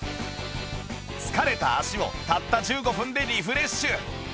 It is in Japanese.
疲れた足をたった１５分でリフレッシュ